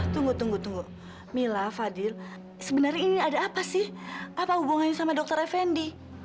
tunggu tunggu mila fadil sebenarnya ini ada apa sih apa hubungannya sama dokter effendi